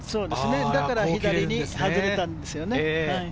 だから左に外れたんですよね。